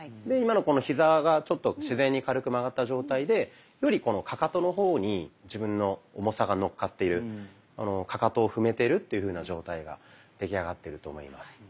で今のヒザがちょっと自然に軽く曲がった状態でよりかかとの方に自分の重さが乗っかっているかかとを踏めてるっていうふうな状態が出来上がってると思います。